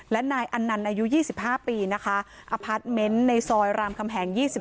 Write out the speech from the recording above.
และนายอันนันต์อายุ๒๕ปีนะคะอพาร์ทเมนต์ในซอยรามคำแหง๒๔